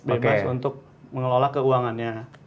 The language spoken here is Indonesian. bebas untuk mengelola keuangannya